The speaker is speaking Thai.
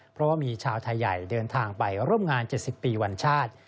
เพราะว่ามีชาวไทยใหญ่เดินทางไปร่วมงาน๗๐ปีวันชาติ